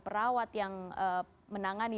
perawat yang menangani